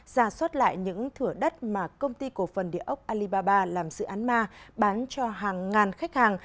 giả soát lại những thửa đất mà công ty cổ phần địa ốc alibaba làm dự án ma bán cho hàng ngàn khách hàng